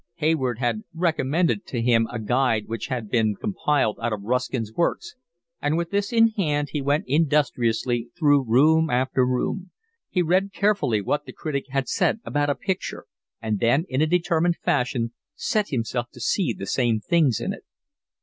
Hayward had recommended to him a guide which had been compiled out of Ruskin's works, and with this in hand he went industriously through room after room: he read carefully what the critic had said about a picture and then in a determined fashion set himself to see the same things in it.